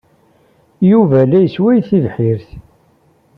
Yuba la yessway tebḥirt.